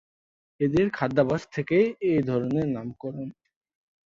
এদের খাদ্যাভ্যাস থেকেই এ ধরনের নামকরণ।